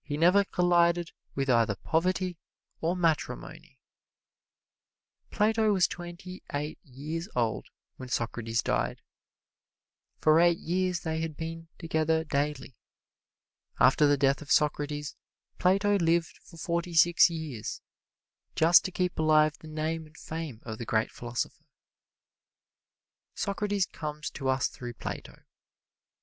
He never collided with either poverty or matrimony. Plato was twenty eight years old when Socrates died. For eight years they had been together daily. After the death of Socrates, Plato lived for forty six years, just to keep alive the name and fame of the great philosopher. Socrates comes to us through Plato.